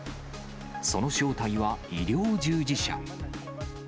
その正体は医療従事者。